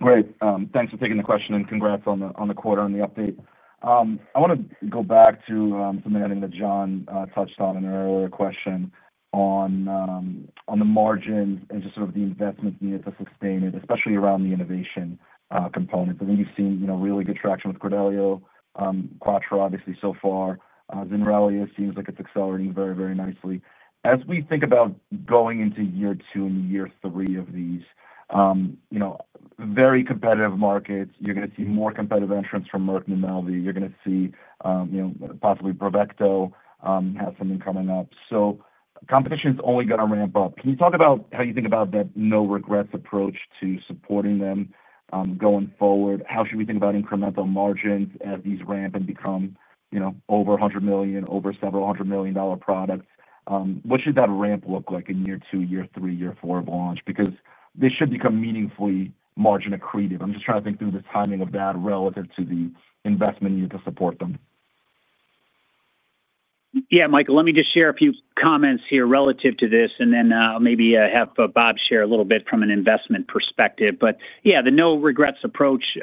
All right. Thanks for taking the question and congrats on the quarter and the update. I want to go back to something I think that Jon touched on in an earlier question on the margins and just sort of the investment needed to sustain it, especially around the innovation component. I think you've seen really good traction with Credelio Quattro, obviously, so far. Zenrelia seems like it's accelerating very, very nicely. As we think about going into year two and year three of these very competitive markets, you're going to see more competitive entrants from Merck and MELVI. You're going to see possibly Bravecto have something coming up. Competition is only going to ramp up. Can you talk about how you think about that no-regrets approach to supporting them going forward? How should we think about incremental margins as these ramp and become over $100 million, over several hundred million dollar products? What should that ramp look like in year two, year three, year four of launch? Because they should become meaningfully margin accretive. I'm just trying to think through the timing of that relative to the investment needed to support them. Yeah, Michael, let me just share a few comments here relative to this, and then maybe have Bob share a little bit from an investment perspective. Yeah, the no-regrets approach.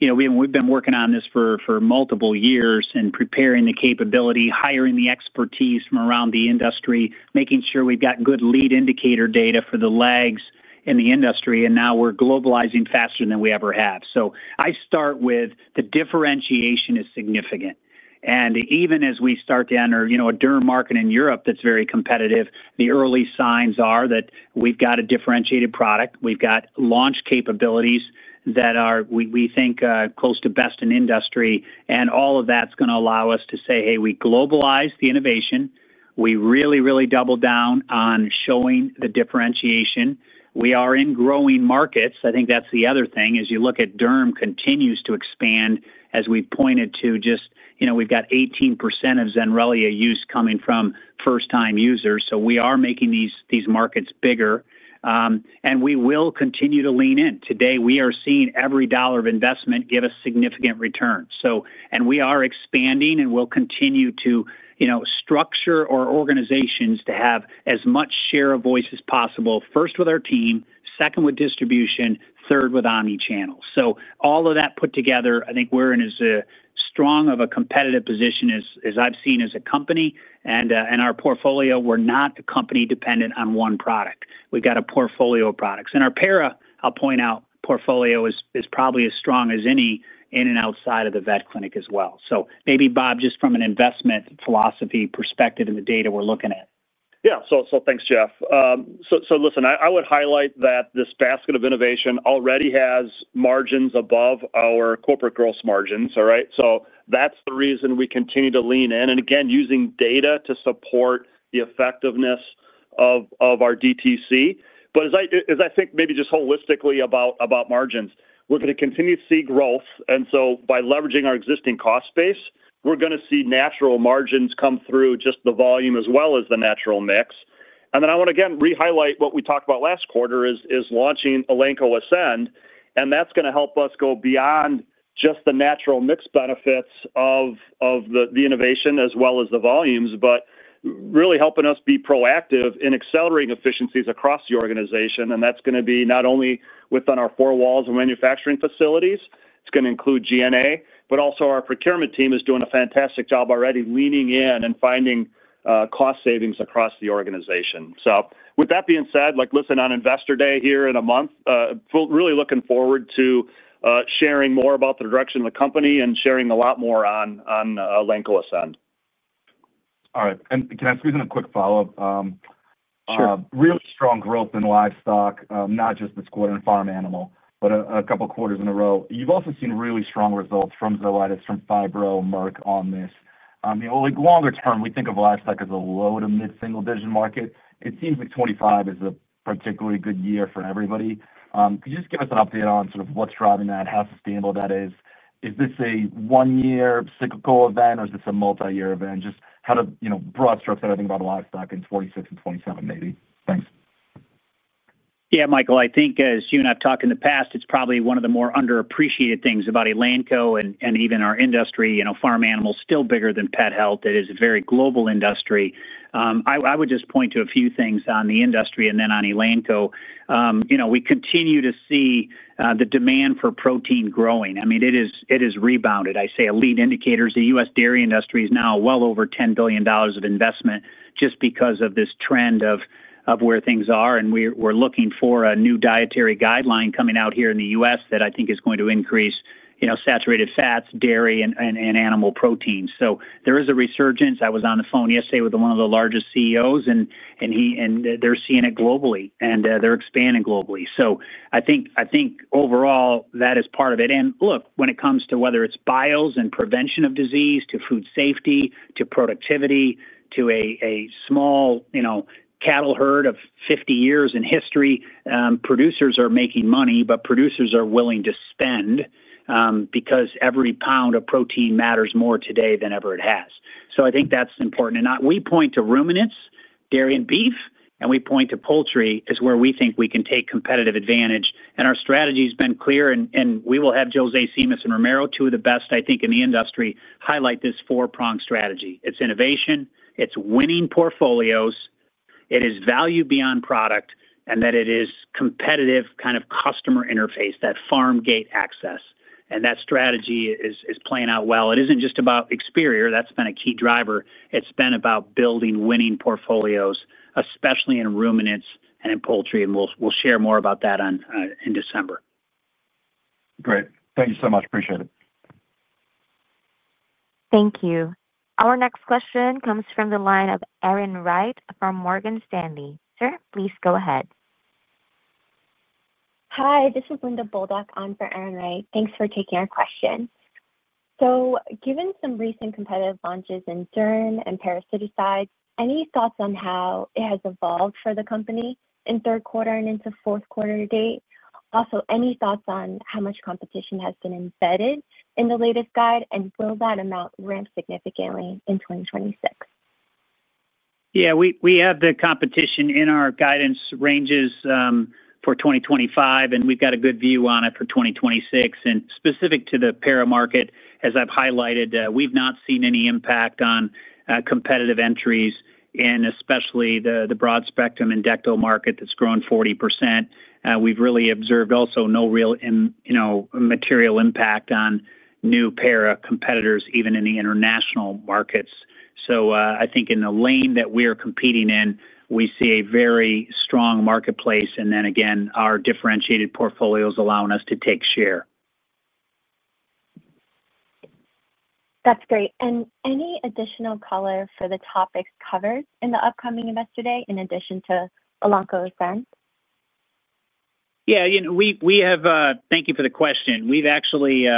We've been working on this for multiple years and preparing the capability, hiring the expertise from around the industry, making sure we've got good lead indicator data for the legs in the industry, and now we're globalizing faster than we ever have. I start with the differentiation is significant. Even as we start to enter a derm market in Europe that's very competitive, the early signs are that we've got a differentiated product. We've got launch capabilities that we think are close to best in industry. All of that's going to allow us to say, "Hey, we globalized the innovation. We really, really doubled down on showing the differentiation." We are in growing markets. I think that's the other thing. As you look at derm, continues to expand, as we pointed to, just we've got 18% of Zenrelia use coming from first-time users. We are making these markets bigger. We will continue to lean in. Today, we are seeing every dollar of investment give us significant return. We are expanding, and we'll continue to structure our organizations to have as much share of voice as possible, first with our team, second with distribution, third with omnichannel. All of that put together, I think we're in as strong of a competitive position as I've seen as a company. In our portfolio, we're not a company dependent on one product. We've got a portfolio of products. Our para, I'll point out, portfolio is probably as strong as any in and outside of the vet clinic as well. Maybe, Bob, just from an investment philosophy perspective in the data we're looking at. Yeah. Thanks, Jeff. Listen, I would highlight that this basket of innovation already has margins above our corporate gross margins, all right? That's the reason we continue to lean in, and again, using data to support the effectiveness of our DTC. As I think maybe just holistically about margins, we're going to continue to see growth. By leveraging our existing cost base, we're going to see natural margins come through just the volume as well as the natural mix. I want to, again, re-highlight what we talked about last quarter is launching Elanco Ascend. That's going to help us go beyond just the natural mix benefits of the innovation as well as the volumes, but really helping us be proactive in accelerating efficiencies across the organization. That's going to be not only within our four walls and manufacturing facilities. It's going to include G&A, but also our procurement team is doing a fantastic job already leaning in and finding cost savings across the organization. With that being said, listen, on investor day here in a month, really looking forward to sharing more about the direction of the company and sharing a lot more on Elanco Ascend. All right. Can I squeeze in a quick follow-up? Sure. Really strong growth in livestock, not just this quarter in farm animal, but a couple of quarters in a row. You've also seen really strong results from Zoetis, from Phibro, Merck on this. Longer term, we think of livestock as a low to mid-single-digit market. It seems like 2025 is a particularly good year for everybody. Could you just give us an update on sort of what's driving that, how sustainable that is? Is this a one-year cyclical event, or is this a multi-year event? Just broad strokes that I think about livestock in 2026 and 2027, maybe. Thanks. Yeah, Michael, I think as you and I have talked in the past, it is probably one of the more underappreciated things about Elanco and even our industry. Farm animal is still bigger than pet health. It is a very global industry. I would just point to a few things on the industry and then on Elanco. We continue to see the demand for protein growing. I mean, it has rebounded. I say elite indicators. The U.S. dairy industry is now well over $10 billion of investment just because of this trend of where things are. We are looking for a new dietary guideline coming out here in the U.S. that I think is going to increase saturated fats, dairy, and animal proteins. There is a resurgence. I was on the phone yesterday with one of the largest CEOs, and they're seeing it globally, and they're expanding globally. I think overall, that is part of it. Look, when it comes to whether it's bios and prevention of disease to food safety to productivity to a small cattle herd of 50 years in history, producers are making money, but producers are willing to spend because every pound of protein matters more today than ever it has. I think that's important. We point to ruminants, dairy, and beef, and we point to poultry as where we think we can take competitive advantage. Our strategy has been clear, and we will have José Simas and Romero, two of the best, I think, in the industry, highlight this four-prong strategy. It's innovation. It's winning portfolios. It is value beyond product, and that it is competitive kind of customer interface, that farm gate access. That strategy is playing out well. It is not just about Experior. That has been a key driver. It has been about building winning portfolios, especially in ruminants and in poultry. We will share more about that in December. Great. Thank you so much. Appreciate it. Thank you. Our next question comes from the line of Erin Wright from Morgan Stanley. Sir, please go ahead. Hi, this is Linda Bolduc on for Erin Wright. Thanks for taking our question. Given some recent competitive launches in derm and parasiticides, any thoughts on how it has evolved for the company in third quarter and into fourth quarter to date? Also, any thoughts on how much competition has been embedded in the latest guide, and will that amount ramp significantly in 2026? Yeah, we have the competition in our guidance ranges for 2025, and we've got a good view on it for 2026. Specific to the para market, as I've highlighted, we've not seen any impact on competitive entries, and especially the broad spectrum indecto market that's grown 40%. We've really observed also no real material impact on new para competitors, even in the international markets. I think in the lane that we are competing in, we see a very strong marketplace, and then again, our differentiated portfolios allowing us to take share. That's great. Any additional color for the topics covered in the upcoming investor day in addition to Elanco Ascend? Yeah. Thank you for the question. We've actually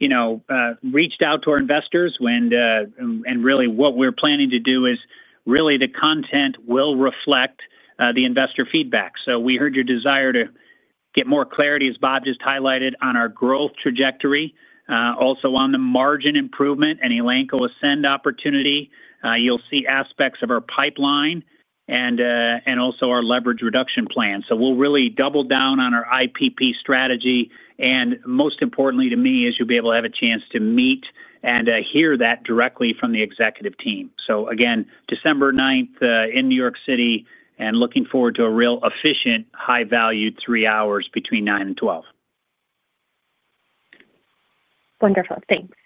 reached out to our investors, and really what we're planning to do is really the content will reflect the investor feedback. We heard your desire to get more clarity, as Bob just highlighted, on our growth trajectory, also on the margin improvement and Elanco Ascend opportunity. You'll see aspects of our pipeline and also our leverage reduction plan. We'll really double down on our IPP strategy. Most importantly to me is you'll be able to have a chance to meet and hear that directly from the executive team. December 9 in New York City, and looking forward to a real efficient, high-value three hours between 9:00 A.M. and 12:00 P.M. Wonderful. Thanks.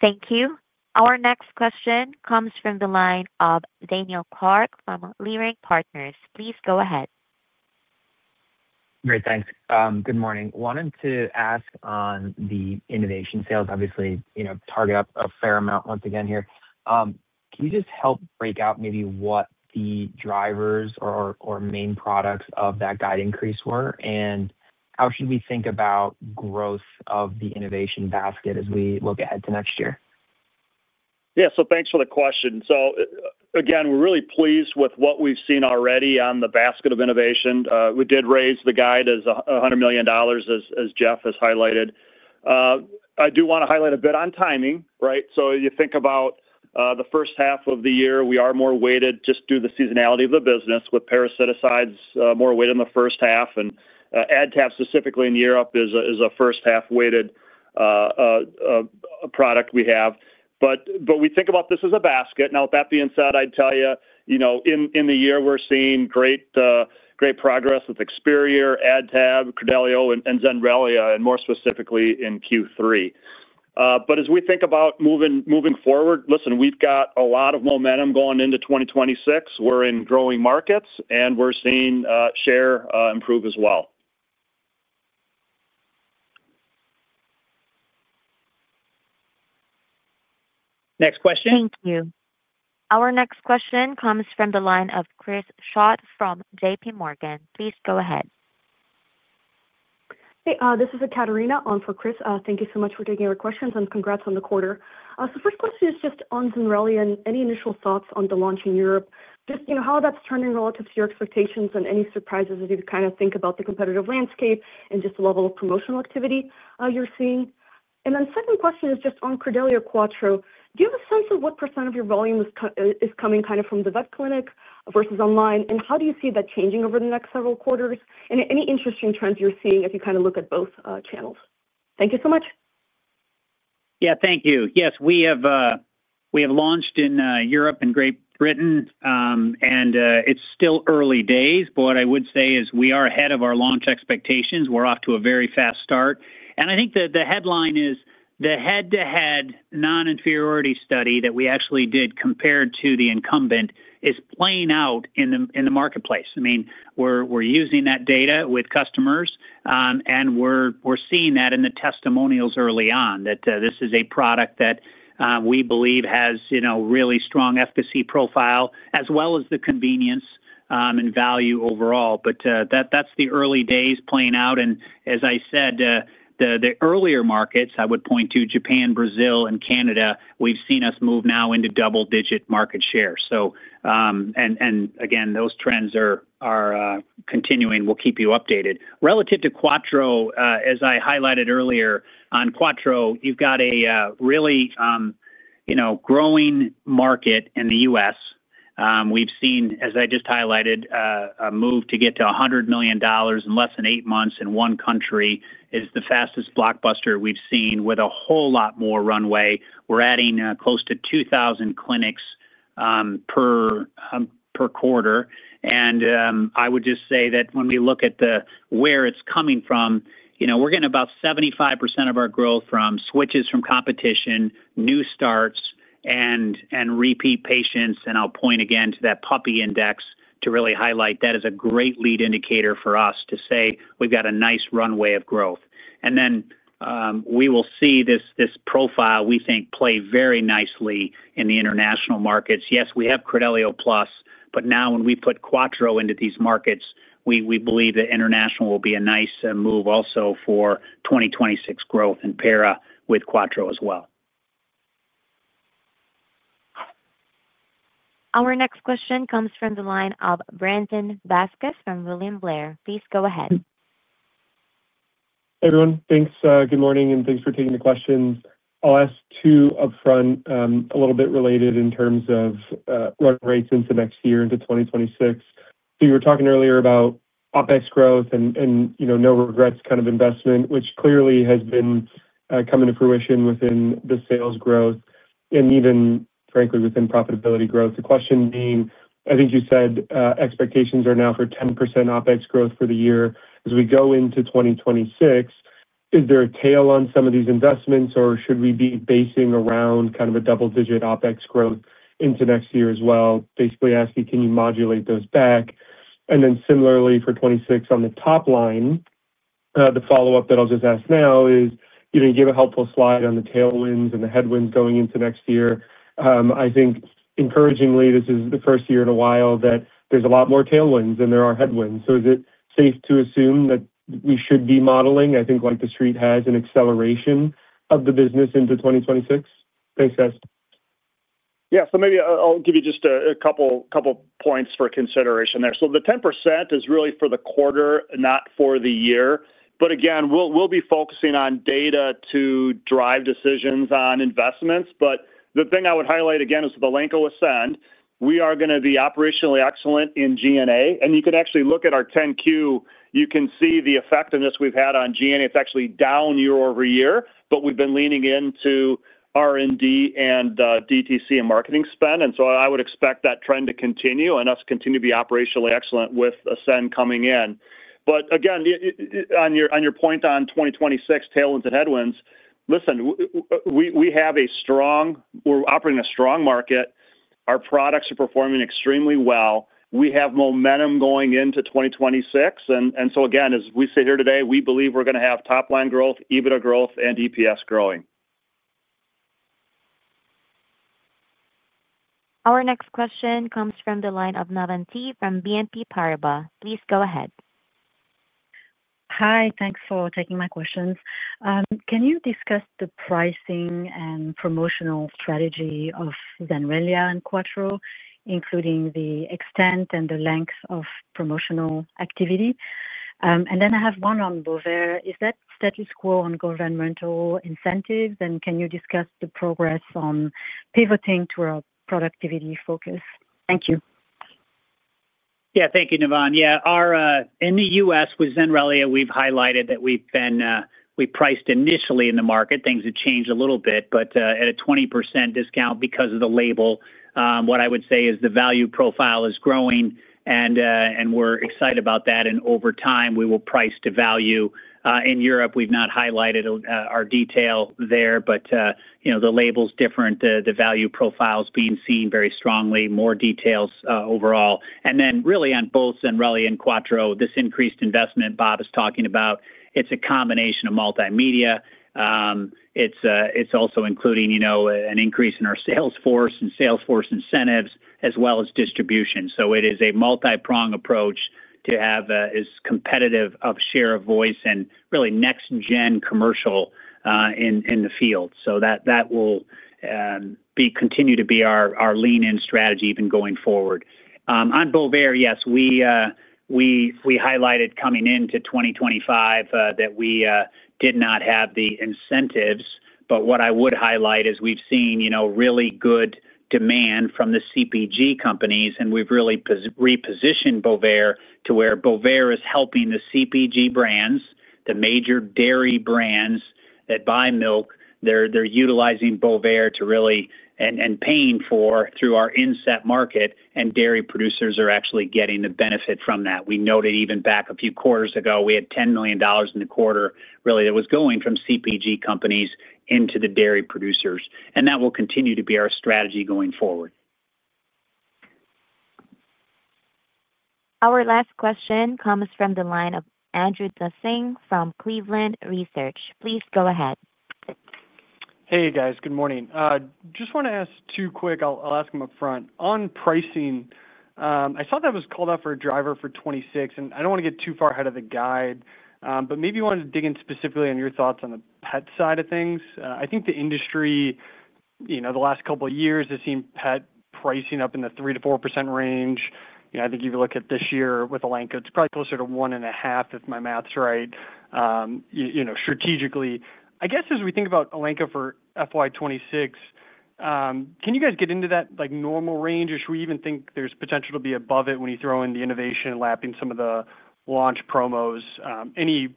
Thank you. Our next question comes from the line of Daniel Clark from Leerink Partners. Please go ahead. Great. Thanks. Good morning. Wanted to ask on the innovation sales, obviously target up a fair amount once again here. Can you just help break out maybe what the drivers or main products of that guide increase were, and how should we think about growth of the innovation basket as we look ahead to next year? Yeah. Thanks for the question. Again, we're really pleased with what we've seen already on the basket of innovation. We did raise the guide as $100 million, as Jeff has highlighted. I do want to highlight a bit on timing, right? You think about the first half of the year, we are more weighted just due to the seasonality of the business with parasiticides more weighted in the first half. AdTab specifically in Europe is a first-half weighted product we have. We think about this as a basket. Now, with that being said, I'd tell you. In the year, we're seeing great progress with Experior, AdTab, Credelio, and Zenrelia, and more specifically in Q3. As we think about moving forward, listen, we've got a lot of momentum going into 2026. We're in growing markets, and we're seeing share improve as well. Next question. Thank you. Our next question comes from the line of Chris Schott from JPMorgan. Please go ahead. Hey, this is Ekaterina on for Chris. Thank you so much for taking our questions and congrats on the quarter. First question is just on Zenrelia and any initial thoughts on the launch in Europe, just how that's turning relative to your expectations and any surprises as you kind of think about the competitive landscape and just the level of promotional activity you're seeing. Second question is just on Credelio Quattro. Do you have a sense of what % of your volume is coming kind of from the vet clinic versus online, and how do you see that changing over the next several quarters and any interesting trends you're seeing if you kind of look at both channels? Thank you so much. Yeah, thank you. Yes, we have launched in Europe and Great Britain. It is still early days, but what I would say is we are ahead of our launch expectations. We are off to a very fast start. I think the headline is the head-to-head non-inferiority study that we actually did compared to the incumbent is playing out in the marketplace. I mean, we're using that data with customers, and we're seeing that in the testimonials early on that this is a product that we believe has a really strong efficacy profile as well as the convenience and value overall. That's the early days playing out. As I said, the earlier markets, I would point to Japan, Brazil, and Canada, we've seen us move now into double-digit market share. Those trends are continuing. We'll keep you updated. Relative to Quattro, as I highlighted earlier, on Quattro, you've got a really growing market in the U.S. We've seen, as I just highlighted, a move to get to $100 million in less than eight months in one country is the fastest blockbuster we've seen with a whole lot more runway. We're adding close to 2,000 clinics per quarter. I would just say that when we look at where it's coming from, we're getting about 75% of our growth from switches from competition, new starts, and repeat patients. I will point again to that puppy index to really highlight that as a great lead indicator for us to say we've got a nice runway of growth. We will see this profile, we think, play very nicely in the international markets. Yes, we have Credelio Plus, but now when we put Quattro into these markets, we believe that international will be a nice move also for 2026 growth and para with Quattro as well. Our next question comes from the line of Brandon Vazquez from William Blair. Please go ahead. Hey, everyone. Thanks. Good morning, and thanks for taking the questions. I'll ask two upfront, a little bit related in terms of run rates into next year, into 2026. You were talking earlier about OpEx growth and no regrets kind of investment, which clearly has been coming to fruition within the sales growth and even, frankly, within profitability growth. The question being, I think you said expectations are now for 10% OpEx growth for the year as we go into 2026. Is there a tail on some of these investments, or should we be basing around kind of a double-digit OpEx growth into next year as well? Basically asking, can you modulate those back? Similarly for 2026 on the top line, the follow-up that I'll just ask now is you gave a helpful slide on the tailwinds and the headwinds going into next year. I think encouragingly, this is the first year in a while that there's a lot more tailwinds than there are headwinds. Is it safe to assume that we should be modeling, I think, like the street has, an acceleration of the business into 2026? Thanks, guys. Yeah. Maybe I'll give you just a couple of points for consideration there. The 10% is really for the quarter, not for the year. Again, we'll be focusing on data to drive decisions on investments. The thing I would highlight again is with Elanco Ascend, we are going to be operationally excellent in G&A. You can actually look at our 10Q. You can see the effectiveness we've had on G&A. It's actually down year over year, but we've been leaning into R&D and DTC and marketing spend. I would expect that trend to continue and us to continue to be operationally excellent with Ascend coming in. Again, on your point on 2026, tailwinds and headwinds, listen. We have a strong—we're operating in a strong market. Our products are performing extremely well. We have momentum going into 2026. As we sit here today, we believe we're going to have top-line growth, EBITDA growth, and EPS growing. Our next question comes from the line of Navann Ty from BNP Paribas. Please go ahead. Hi. Thanks for taking my questions. Can you discuss the pricing and promotional strategy of Zenrelia and Quattro, including the extent and the length of promotional activity? I have one on Bovaer. Is that status quo on governmental incentives, and can you discuss the progress on pivoting to a productivity focus? Thank you. Yeah. Thank you, Navann Ty. Yeah. In the U.S., with Zenrelia, we've highlighted that we've been priced initially in the market. Things have changed a little bit, but at a 20% discount because of the label, what I would say is the value profile is growing, and we're excited about that. Over time, we will price to value. In Europe, we've not highlighted our detail there, but the label's different. The value profile's being seen very strongly. More details overall. Really on both Zenrelia and Quattro, this increased investment Bob is talking about, it's a combination of multimedia. It's also including an increase in our sales force and sales force incentives, as well as distribution. It is a multi-prong approach to have as competitive of share of voice and really next-gen commercial in the field. That will continue to be our lean-in strategy even going forward. On Bovaer, yes, we highlighted coming into 2025 that we did not have the incentives. What I would highlight is we've seen really good demand from the CPG companies, and we've really repositioned Bovaer to where Bovaer is helping the CPG brands, the major dairy brands that buy milk. They're utilizing Bovaer to really, and paying for through our inset market, and dairy producers are actually getting the benefit from that. We noted even back a few quarters ago, we had $10 million in the quarter really that was going from CPG companies into the dairy producers. That will continue to be our strategy going forward. Our last question comes from the line of Andrew Dusing from Cleveland Research. Please go ahead. Hey, guys. Good morning. Just want to ask two quick—I’ll ask them upfront. On pricing, I saw that was called out for a driver for 2026, and I do not want to get too far ahead of the guide, but maybe you wanted to dig in specifically on your thoughts on the pet side of things. I think the industry the last couple of years has seen pet pricing up in the 3%-4% range. I think if you look at this year with Elanco, it is probably closer to 1.5%, if my math is right. Strategically, I guess as we think about Elanco for FY2026, can you guys get into that normal range, or should we even think there is potential to be above it when you throw in the innovation and lapping some of the launch promos? Any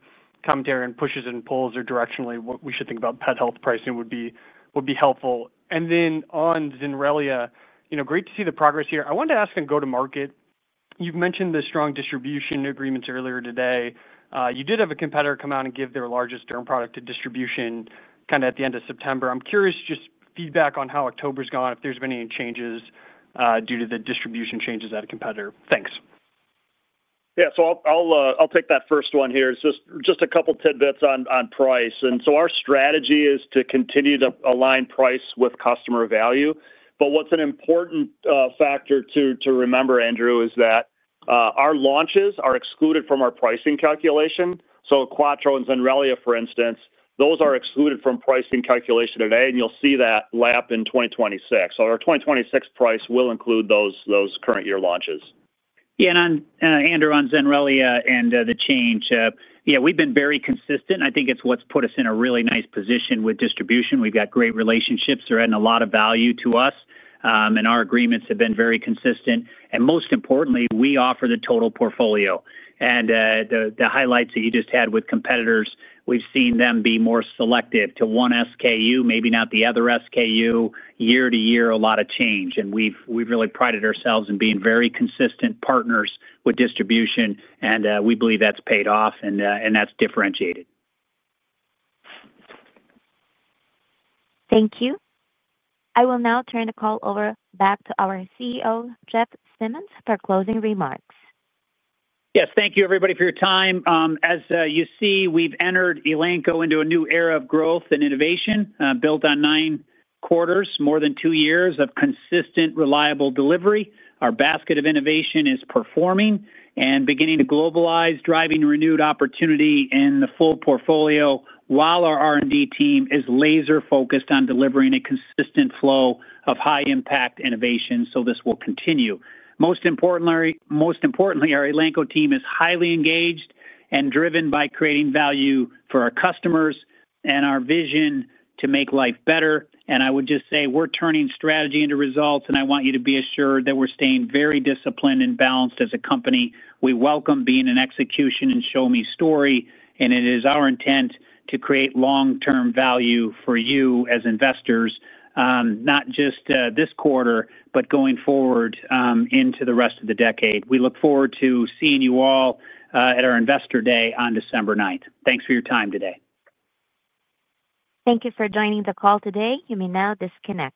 commentary on pushes and pulls or directionally what we should think about pet health pricing would be helpful. Then on Zenrelia, great to see the progress here. I wanted to ask on go-to-market. You mentioned the strong distribution agreements earlier today. You did have a competitor come out and give their largest derm product to distribution kind of at the end of September. I'm curious, just feedback on how October's gone, if there's been any changes due to the distribution changes at a competitor. Thanks. Yeah. I'll take that first one here. It's just a couple of tidbits on price. Our strategy is to continue to align price with customer value. What's an important factor to remember, Andrew, is that our launches are excluded from our pricing calculation. Quattro and Zenrelia, for instance, those are excluded from pricing calculation today, and you'll see that lap in 2026. Our 2026 price will include those current year launches. Yeah. Andrew, on Zenrelia and the change, yeah, we've been very consistent. I think it's what's put us in a really nice position with distribution. We've got great relationships. They're adding a lot of value to us. Our agreements have been very consistent. Most importantly, we offer the total portfolio. The highlights that you just had with competitors, we've seen them be more selective to one SKU, maybe not the other SKU, year to year, a lot of change. We've really prided ourselves in being very consistent partners with distribution, and we believe that's paid off, and that's differentiated. Thank you. I will now turn the call over back to our CEO, Jeff Simmons, for closing remarks. Yes. Thank you, everybody, for your time. As you see, we've entered Elanco into a new era of growth and innovation built on nine quarters, more than two years of consistent, reliable delivery. Our basket of innovation is performing and beginning to globalize, driving renewed opportunity in the full portfolio while our R&D team is laser-focused on delivering a consistent flow of high-impact innovation. This will continue. Most importantly, our Elanco team is highly engaged and driven by creating value for our customers and our vision to make life better. I would just say we're turning strategy into results, and I want you to be assured that we're staying very disciplined and balanced as a company. We welcome being an execution and show-me story, and it is our intent to create long-term value for you as investors, not just this quarter, but going forward into the rest of the decade. We look forward to seeing you all at our investor day on December 9. Thanks for your time today. Thank you for joining the call today. You may now disconnect.